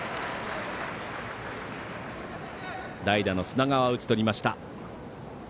代打の砂川、打ち取りました。